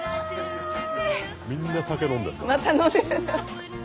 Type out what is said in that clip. みんな酒飲んでる。